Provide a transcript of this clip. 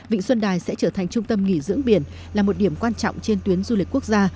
vịnh xuân đài sẽ trở thành trung tâm nghỉ dưỡng biển là một điểm quan trọng trên tuyến du lịch quốc gia